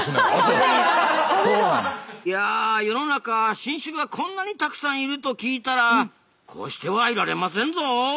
いや世の中新種がこんなにたくさんいると聞いたらこうしてはいられませんぞ！